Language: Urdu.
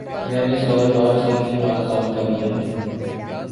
میں نے اس کاروبار سے اپنے ہاتھ صاف کر لیئے ہے۔